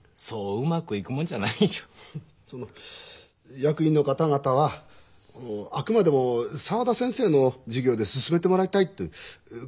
その役員の方々はあくまでも沢田先生の授業で進めてもらいたいってそうおっしゃるんだよ。